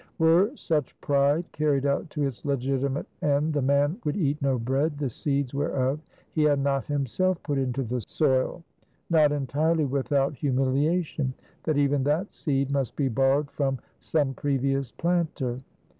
Were such pride carried out to its legitimate end, the man would eat no bread, the seeds whereof he had not himself put into the soil, not entirely without humiliation, that even that seed must be borrowed from some previous planter.